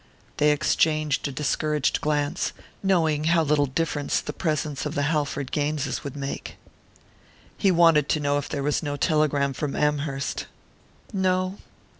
They exchanged a discouraged glance, knowing how little difference the presence of the Halford Gaineses would make. "He wanted to know if there was no telegram from Amherst." "No."